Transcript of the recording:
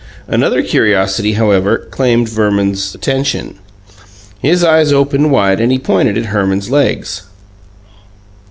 Another curiosity, however, claimed Verman's attention. His eyes opened wide, and he pointed at Herman's legs.